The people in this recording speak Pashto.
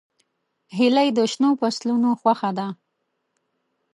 هیلۍ د شنو فصلونو خوښه ده